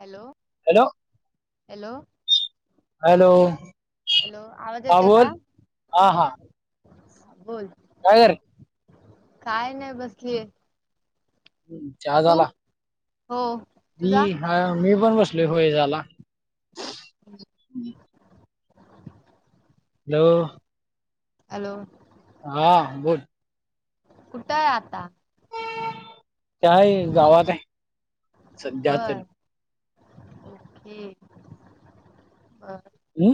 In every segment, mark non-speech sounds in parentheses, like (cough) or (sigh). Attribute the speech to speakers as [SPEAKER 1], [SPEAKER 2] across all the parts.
[SPEAKER 1] Hello
[SPEAKER 2] hello
[SPEAKER 1] hello
[SPEAKER 2] hello
[SPEAKER 1] hello आवाज
[SPEAKER 2] हा
[SPEAKER 1] येतोय का
[SPEAKER 2] बोल हा हा
[SPEAKER 1] बोल
[SPEAKER 2] काय कराल्या
[SPEAKER 1] काय नाही बसलिये
[SPEAKER 2] चहा झाला
[SPEAKER 1] हो
[SPEAKER 2] मी
[SPEAKER 1] तुझा
[SPEAKER 2] हा मी पण बसलोय होय झाला हॅलो
[SPEAKER 1] हॅलो
[SPEAKER 2] हा बोल
[SPEAKER 1] कुठाय आता
[SPEAKER 2] काय गावात आहे सध्या तरी
[SPEAKER 1] बर ओके बर
[SPEAKER 2] हू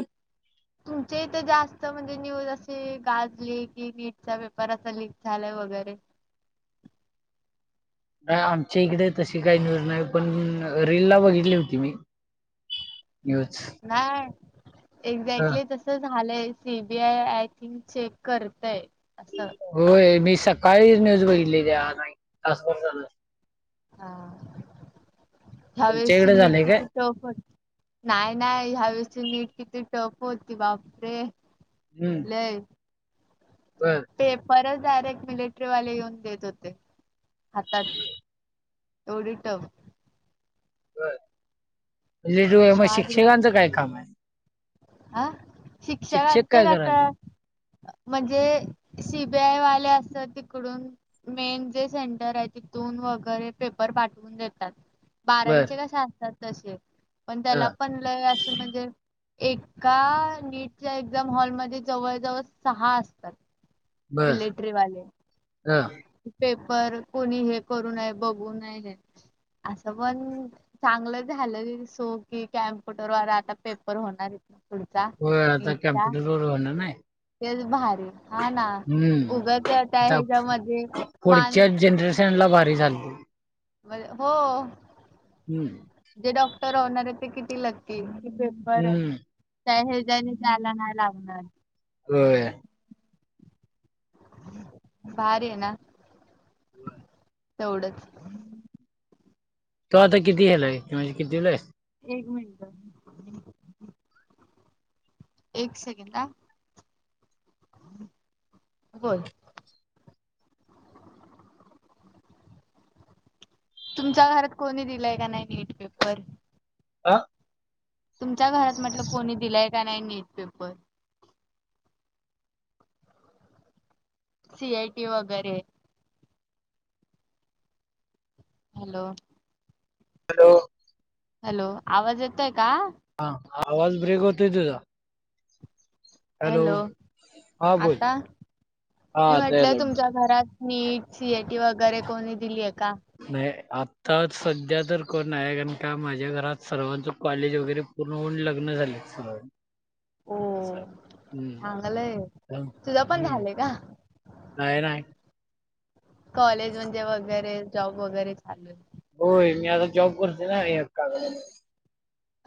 [SPEAKER 1] आमच्या इथं जास्त म्हणजे न्यूज असे गाजली कि नीटचा पेपर असं लीक झालंय वगैरे
[SPEAKER 2] (inaudible) नाही आमच्या इकडे तशी काय न्यूज नाही पण रील ला बघितली होती मी न्यूज
[SPEAKER 1] नाय
[SPEAKER 2] हा.
[SPEAKER 1] एक्झॅक्टली तसं झालंय C B I I think check करतय असं
[SPEAKER 2] होय मी सकाळीच न्यूज बघितली ती आता एक तासभर झालं
[SPEAKER 1] हा
[SPEAKER 2] तुमच्या
[SPEAKER 1] ह्यावेळेसची
[SPEAKER 2] इकडे
[SPEAKER 1] नीट
[SPEAKER 2] झालंय काय
[SPEAKER 1] किती टफ होती नाय नाय ह्यावेळेसची नीट किती टफ होती बापरे!
[SPEAKER 2] हम्म
[SPEAKER 1] लय
[SPEAKER 2] बर
[SPEAKER 1] परत डायरेक्ट मिलिटरीवाले येऊन देत होते हातात डटव
[SPEAKER 2] लिडू मग शिक्षकांचं काय काम आहे
[SPEAKER 1] आह शिक्षक अते
[SPEAKER 2] काय करायले
[SPEAKER 1] कस म्हणजे सीबीआय वाले अस तिकडून मेन जे सेंटर आहे तिथून वगैरे पेपर पाठवून देतात
[SPEAKER 2] बर
[SPEAKER 1] बारावीचे कसे असतात तसे पण
[SPEAKER 2] अ
[SPEAKER 1] त्याला पण ल असं म्हणजे एक का नीटच्या एक्झाम हॉलमध्येध्ये जवळ जवळ सहा असतात
[SPEAKER 2] बर
[SPEAKER 1] मिलिट्री वाले
[SPEAKER 2] अ
[SPEAKER 1] कोणी हे करू नये बघू नये हे असं पण चांगलं झालं सो की कॅम्प्युटर व आता पेपर होणार आहेत
[SPEAKER 2] हो वेळा तर कम्प्युटर वर होणार नाही
[SPEAKER 1] तेच भारी हो ना
[SPEAKER 2] हम्म
[SPEAKER 1] उगाच त्या
[SPEAKER 2] आता
[SPEAKER 1] हेच मधे माण
[SPEAKER 2] पुढच्या जनरेशनला भारी झालती.
[SPEAKER 1] हो
[SPEAKER 2] हम्म
[SPEAKER 1] रिटर्न होणार आहे ते किती लकी पेपर
[SPEAKER 2] हम्म
[SPEAKER 1] हे जाने जायला नाही लागणार
[SPEAKER 2] होय
[SPEAKER 1] भारी ना तेवढंच
[SPEAKER 2] तो आता किती हेलाय क म्हणजे कितवी ला आहेस
[SPEAKER 1] एक मिनट एक सेकंडा होय तुमच्या घरात कोणी दिलाय का नाही नीट पेपर
[SPEAKER 2] आ
[SPEAKER 1] तुमच्या घरात म्हटल कोणी दिलाय का नाही NEET paper C I T वगैरे हॅलो
[SPEAKER 2] हॅलो
[SPEAKER 1] हॅलो आवाज येतोय का
[SPEAKER 2] हा आवाज ब्रेक होतय तुझा
[SPEAKER 1] हॅलो
[SPEAKER 2] हा बोल.
[SPEAKER 1] आता
[SPEAKER 2] हा
[SPEAKER 1] मी
[SPEAKER 2] आता यायला
[SPEAKER 1] म्हटलंय
[SPEAKER 2] लागला.
[SPEAKER 1] तुमच्या घरात नीट सीएटी वगैरे कोणी दिली
[SPEAKER 2] नाही आता सध्या तर कोण आहे कारण का माझ्या घरात सर्वांचं कॉलेज वगैरे पूर्ण होऊन लग्न झाले सर्व
[SPEAKER 1] हो चांगलंय तुझा पण
[SPEAKER 2] हम्म
[SPEAKER 1] झालंय का
[SPEAKER 2] नाही ना
[SPEAKER 1] कॉलेज म्हणजे वगैरे जॉब वगैरे चालू आहे
[SPEAKER 2] होय मी आता जॉब करते ना कागल एमआयडीसी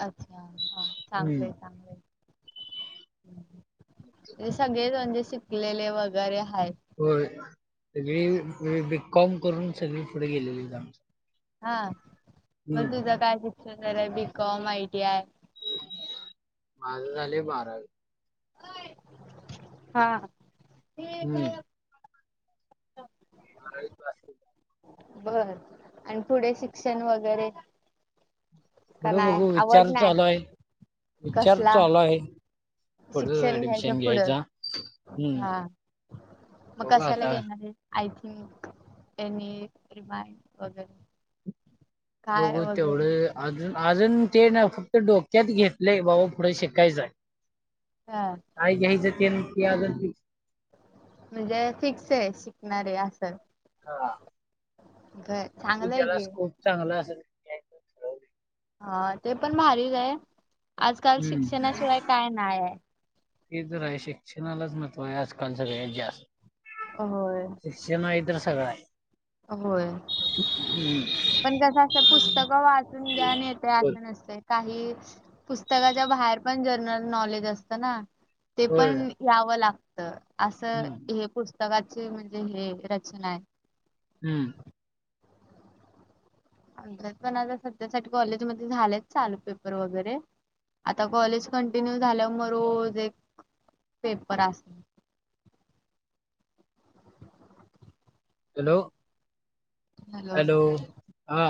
[SPEAKER 1] अच्छा हा चांगले चांगले सगळेच म्हणजे शिकलेले वगैरे आहेत
[SPEAKER 2] हो सगळी बी कॉम करून सगळी पुढे गेलेली
[SPEAKER 1] हा बसूचा काय शिक्षण झाे बीकॉम आयटी आय
[SPEAKER 2] माझं झालं बारावी
[SPEAKER 1] हा
[SPEAKER 2] हम्म बारावी पास
[SPEAKER 1] बर आणि पुढे शिक्षण वगैरे का
[SPEAKER 2] पुढं
[SPEAKER 1] नाहीय
[SPEAKER 2] बघू
[SPEAKER 1] आवड
[SPEAKER 2] विचार
[SPEAKER 1] नाय
[SPEAKER 2] चालू आहे. विचार
[SPEAKER 1] कसला
[SPEAKER 2] चालू आहे पुढं
[SPEAKER 1] शिक्षण
[SPEAKER 2] ऍडमिशन
[SPEAKER 1] घ्यायचं पुढं,,
[SPEAKER 2] घ्यायचा. हम्म
[SPEAKER 1] हा. मी
[SPEAKER 2] बघू
[SPEAKER 1] कशाला
[SPEAKER 2] आता
[SPEAKER 1] घेणार ये आय थिंक, त्यांनी रिमाइंड वगैरे काय
[SPEAKER 2] बघू
[SPEAKER 1] वगैरे
[SPEAKER 2] तेवढे आ अजून ते नं फक्त डोक्यात घेतलंय,, बाबा पुढे शिकायचंय
[SPEAKER 1] हा
[SPEAKER 2] कात घ्यायचं ते नक्की अजून फिक्स
[SPEAKER 1] म्हणजे फिक्स आय शिकणारे अस
[SPEAKER 2] हा.
[SPEAKER 1] चांगलं आहे
[SPEAKER 2] त्याला
[SPEAKER 1] की
[SPEAKER 2] स्कोप चांगला असेल (unintelligible)
[SPEAKER 1] हा ते पण भारीच आय, आजकाल शिक्षणाशिवाय काय नाही आय
[SPEAKER 2] हे तर हाय शिक्षणालाच महत्वाय आजकाल सगळ्यात जास्त
[SPEAKER 1] होय
[SPEAKER 2] शिक्षण आहे तर सगळंय
[SPEAKER 1] होय.
[SPEAKER 2] हम्म
[SPEAKER 1] पण कसं असत,, पुस्तक वाचून ग्यान येतेय
[SPEAKER 2] बोल
[SPEAKER 1] असं नसतय काही पुस्तकाच्या बाहेर पण जनरल नॉलेज असत ना ते
[SPEAKER 2] होय
[SPEAKER 1] पण घ्यावं लागत तर असं
[SPEAKER 2] हम्म
[SPEAKER 1] हे पुस्तकाची म्हणजे हे रचना य
[SPEAKER 2] हम्म.
[SPEAKER 1] आमच्यात पण आता सध्यासाठी कॉलेजमध्ये झालेच चालू पेपर वगैरे आता कॉलेज कंटिन्यू झाल्याम रोज एक पेपर अस त्यात
[SPEAKER 2] (inaudible) हॅलो. हॅलो, हा.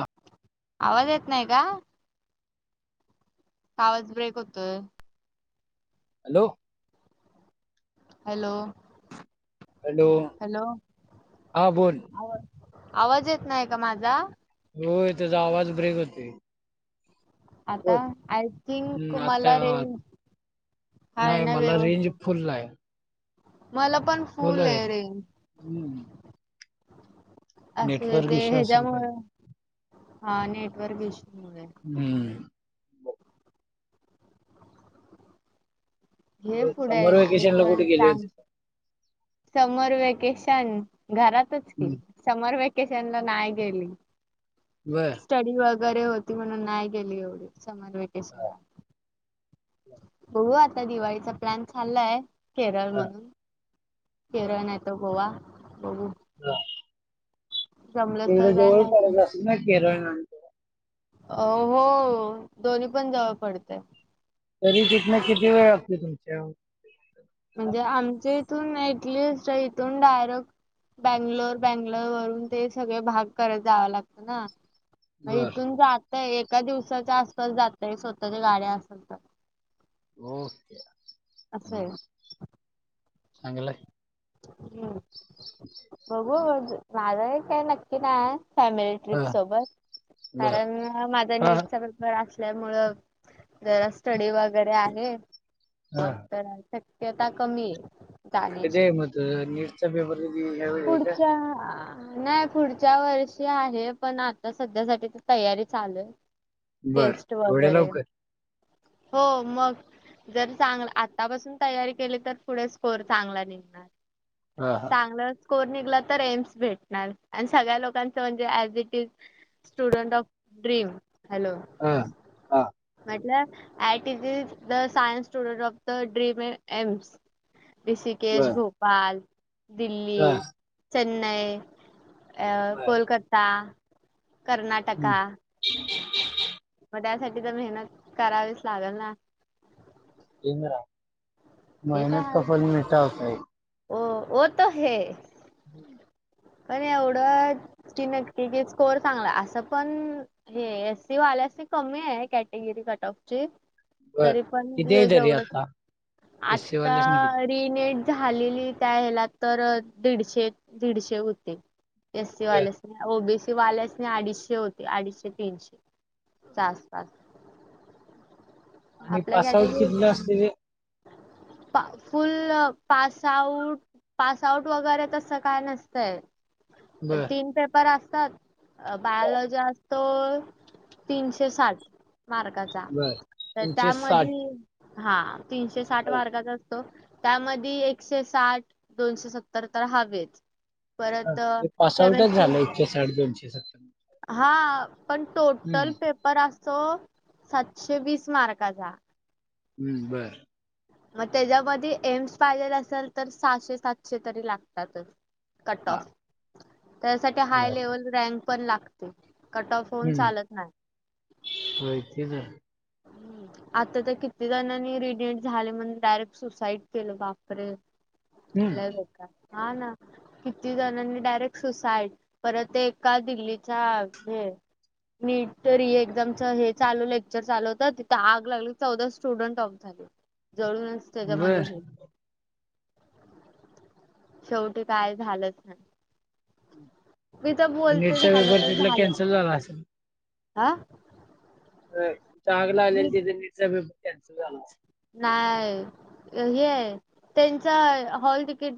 [SPEAKER 1] आवाज येत नाहीये का? आवाज ब्रेक होतोय
[SPEAKER 2] हॅलो.
[SPEAKER 1] हॅलो.
[SPEAKER 2] हॅलो,
[SPEAKER 1] हॅलो
[SPEAKER 2] हा बोल.
[SPEAKER 1] आवाज आवाज येत नाही का माझा?
[SPEAKER 2] होय तुजा आवाज ब्रेक हुतुय..
[SPEAKER 1] आता,, आय थिंक
[SPEAKER 2] हम्म आता
[SPEAKER 1] मला रेंज हाय
[SPEAKER 2] नाही
[SPEAKER 1] ना
[SPEAKER 2] मला रेंज
[SPEAKER 1] व्यवस्थीत.
[SPEAKER 2] फुल आहे
[SPEAKER 1] मला पण
[SPEAKER 2] फुल
[SPEAKER 1] फुला
[SPEAKER 2] आहे
[SPEAKER 1] ए रेंज.
[SPEAKER 2] हम्म
[SPEAKER 1] असूदे
[SPEAKER 2] नेटवर्क
[SPEAKER 1] ते
[SPEAKER 2] इश्यू असेल काय
[SPEAKER 1] हच्यामुळं हा नेटवर्क ईशू
[SPEAKER 2] हम्म.
[SPEAKER 1] घे
[SPEAKER 2] बर,
[SPEAKER 1] पुढे
[SPEAKER 2] समर वेकेशनला
[SPEAKER 1] ॲडमिशन
[SPEAKER 2] कुठे गेले
[SPEAKER 1] सांग
[SPEAKER 2] होते
[SPEAKER 1] समर वेकेशनऽऽ घरातच कि,,
[SPEAKER 2] हम्म
[SPEAKER 1] समर वेकेशनला नाय गेली,,
[SPEAKER 2] बर
[SPEAKER 1] स्टडी वक घरे होती म्हणून नाही गेली एवढी समर वकेशन
[SPEAKER 2] हा,
[SPEAKER 1] ला बघू आता दिवाळीचा प्लॅन चाललाय केरळ
[SPEAKER 2] हा,
[SPEAKER 1] म्हणून केरळ णाई तर गोवा. बघू
[SPEAKER 2] (unintelligible)
[SPEAKER 1] जमलंच तर
[SPEAKER 2] ते
[SPEAKER 1] जाणार
[SPEAKER 2] जवळ
[SPEAKER 1] नाही तर
[SPEAKER 2] पडत असल ना केरळ गोवा?
[SPEAKER 1] अ होऽ दोन्ही पण जावंळ पडतय.
[SPEAKER 2] तरी तिथनं किती वेळ लागतोय तुमच्या
[SPEAKER 1] म्हणजे आमच्या इथून एटलिस्ट इथून डायरेक्ट बँंगलोर, बँंगलोर वरून ते सगळे भाग करत जाया लागतय ना - म
[SPEAKER 2] बर
[SPEAKER 1] इथून जा - एका दिवसाच्या आसपास जातय स्वतःच्या गाड्या असल तर
[SPEAKER 2] हो,
[SPEAKER 1] असंय
[SPEAKER 2] चांगलंय.
[SPEAKER 1] हम्म बघू माझाही काय नक्की नाय - फॅमिली ट्रीप
[SPEAKER 2] हा
[SPEAKER 1] सोबत
[SPEAKER 2] बर
[SPEAKER 1] कारण माझा
[SPEAKER 2] हा
[SPEAKER 1] नीटचा पेपर अस आसल्यामुळ जरा स्टडी वगैरे आहे
[SPEAKER 2] हा
[SPEAKER 1] मग तर शक्यता कमी जाण्याची
[SPEAKER 2] तर निटचा पेपर -
[SPEAKER 1] पुढच्या आ नाही पुढच्या वर्षी आहे पण आता सध्या साठी तर तयारी चालूय
[SPEAKER 2] बर
[SPEAKER 1] टेस्ट
[SPEAKER 2] एवढ्या
[SPEAKER 1] वगैरे
[SPEAKER 2] लवकर
[SPEAKER 1] हो मग जर चांग आतापासून तयारी केली तर पुढे स्कोर चांगला निघणार
[SPEAKER 2] हा हा
[SPEAKER 1] चांगलंच स्कोअर निघला तर एम्स भेटणार आणि सगळ्या लोकांचं म्हणजे as it is student of dream hello
[SPEAKER 2] हा हा
[SPEAKER 1] म्हटल्या it is the science student of the dream AIIMS Rishikesh
[SPEAKER 2] बर
[SPEAKER 1] भोपाल
[SPEAKER 2] हा
[SPEAKER 1] दिल्ली चेन्नई अ
[SPEAKER 2] बर
[SPEAKER 1] कोलकाता
[SPEAKER 2] हम्म.
[SPEAKER 1] कर्नाटका
[SPEAKER 2] (inaudible)
[SPEAKER 1] त्यासाठी तर मेहनत करावीच लागल ना
[SPEAKER 2] इंद्रा
[SPEAKER 1] ते तर
[SPEAKER 2] मेहनत का
[SPEAKER 1] हाय
[SPEAKER 2] फल मिठा होता हे
[SPEAKER 1] ओ वो तो है
[SPEAKER 2] हम्म
[SPEAKER 1] पण एवढं की नक्की स्कोर चांगला असं पण हे अस पण एसी कमी आहे कॅटेगरी कट ऑफ
[SPEAKER 2] बर
[SPEAKER 1] तरी पण
[SPEAKER 2] किती आहे तरी
[SPEAKER 1] जेवढ
[SPEAKER 2] आता एस सी
[SPEAKER 1] आता
[SPEAKER 2] वाल्यासनी किती
[SPEAKER 1] र नेट झालेली त्याला तर दीडशे दीडशे होते एस सी
[SPEAKER 2] बर
[SPEAKER 1] वालेस ती ओ बी सी वाल्यास अडीचशे होते अडीचशे तीनशे जास्त
[SPEAKER 2] आणि पासआउट
[SPEAKER 1] कॅटेगरी
[SPEAKER 2] कितीला असतेय ते
[SPEAKER 1] फुल पासआउट पास आउट वगैरे तस काय नसतय
[SPEAKER 2] बर
[SPEAKER 1] तीन पेपर अस
[SPEAKER 2] हा,
[SPEAKER 1] बायलॉजी असत तीनशे साठ मारकाचा
[SPEAKER 2] बर
[SPEAKER 1] तर
[SPEAKER 2] तीनशे साठ
[SPEAKER 1] त्यामध्ये हा तीनशे साठ
[SPEAKER 2] हा,
[SPEAKER 1] मारकाचा त्यामध्ये एकशे साठ दोनशे सत्तर तर हवेच
[SPEAKER 2] हा.
[SPEAKER 1] परत
[SPEAKER 2] म्हणजे पास आउटच
[SPEAKER 1] केमेस्ट्री
[SPEAKER 2] झालं एकशे साठ दोनशे सत्तर
[SPEAKER 1] हा पण
[SPEAKER 2] हम्म
[SPEAKER 1] टोटल पेपर अस तो सातशे वीस मार्कचा
[SPEAKER 2] हम्म बर
[SPEAKER 1] मग त्याच्यामध्ये एम्स पाहिजे असेल तर सहाशे सातशे तरी लागतातच कट
[SPEAKER 2] हा
[SPEAKER 1] ऑफ त्यासाठी हाय
[SPEAKER 2] बर
[SPEAKER 1] लेवल रँक पण लागते कट ऑफ होऊन
[SPEAKER 2] हम्म
[SPEAKER 1] चालत नाही
[SPEAKER 2] होय, तेच
[SPEAKER 1] हम्म.
[SPEAKER 2] (unintelligible)
[SPEAKER 1] आता तर किती जणांनी रिडिट झाले म्हण डायरेक्ट सुसाइड केलं बापरे लय
[SPEAKER 2] हम्म
[SPEAKER 1] बेकार हा ना किती जणांनी डायरेक्ट सुसाइड परत ते एका दिल्लीचा हे नीट तरी एक्झामच हे चालू लेक चाल होत तिथ आग लागली चौदा स्टुडंट ऑफ झाले जळूनच
[SPEAKER 2] बर
[SPEAKER 1] त्याच्यामध्ये हे शेवटी काय झालंच ना मी तर बोलते
[SPEAKER 2] नीटचा
[SPEAKER 1] झालं
[SPEAKER 2] पेपर
[SPEAKER 1] तर
[SPEAKER 2] तिथला
[SPEAKER 1] झालं
[SPEAKER 2] कॅन्सल झाला असेल.
[SPEAKER 1] आा
[SPEAKER 2] व्हय चांगला आलेल तिथ नीट सगळं कॅन्सल झालंच
[SPEAKER 1] काय हे ये त्यांचा हॉल तिकीट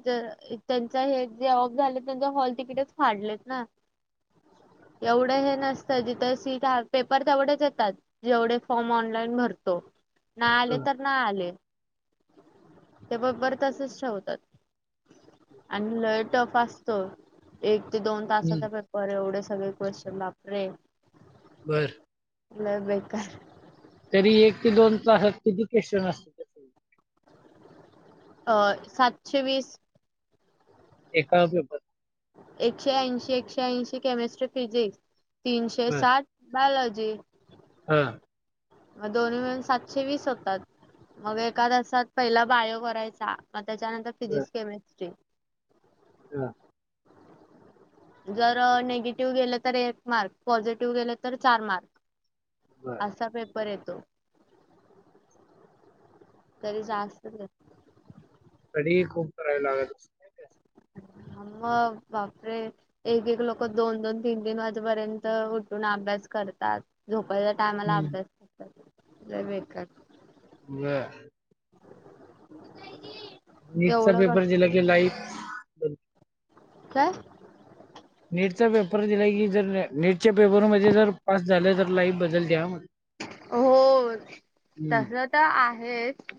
[SPEAKER 1] त्यांचा हे जे ऑफ झाले त्यां हॉल तिकीटच फाडलेत ना
[SPEAKER 2] (unintelligible)
[SPEAKER 1] एवढं हे नसतं जिथं सीट पेपर तेवढेच येतात जेवढे फॉर्म ऑनलाईन भरतो नाय आले तर नाही ते ब पेपर तसच ठेवतात आणि लय टफ असतो. एक ते दोन
[SPEAKER 2] हम्म,
[SPEAKER 1] तासाचा पेपर एवढे सगळे क्वेशन बापरे,
[SPEAKER 2] बर.
[SPEAKER 1] लय बेकार
[SPEAKER 2] तरी एक ते दोन तासात किती क्वेशन असत्यात.
[SPEAKER 1] अ सातशे वीस
[SPEAKER 2] एका पेपर
[SPEAKER 1] एकशे ऐंशी एकशे ऐंशी केमिस्ट्री फिजिक्स तीनशे साठ बायोलॉ जी.
[SPEAKER 2] हम
[SPEAKER 1] मग दोन्ही मिळून सातशे वीस होतात मग एका तासात पहिला बायो करायचा. मग त्याच्यानंतर फिजिक्स, केमिस्ट्री,
[SPEAKER 2] हम
[SPEAKER 1] जर निगेटिव्ह गेले तर एक मार्क पॉझिटिव्ह गेले तर चार मार्क.
[SPEAKER 2] बर.
[SPEAKER 1] असा पेप र येतो कधी जास्त
[SPEAKER 2] तयारी खूप करायला लागत असल.
[SPEAKER 1] मग बापरे एक एक लोक दोन दोन तीन तीन वाजेपर्यंत उठून आ भ्यास करतात झोपायच्या टायमाला
[SPEAKER 2] हम्म,
[SPEAKER 1] अभ्यास करतात लय बेकार
[SPEAKER 2] व्हय.
[SPEAKER 1] (unintelligible)
[SPEAKER 2] नीटचा
[SPEAKER 1] एवढं कस
[SPEAKER 2] पेपर दिला क लाईफ
[SPEAKER 1] काय
[SPEAKER 2] नीटचा पेपर दिला की जर नेटच्या पेपरमध्ये जर पास झालं तर लाईफ बदल त्या हं.
[SPEAKER 1] हो
[SPEAKER 2] हम्म,
[SPEAKER 1] तस तर आहेच.